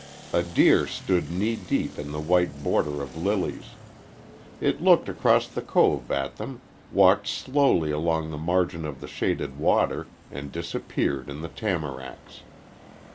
A deer stood knee deep in the white border of lilies. It looked across the cove at them, walked slowly along the margin of the shaded water, and disappeared in the tamaracks.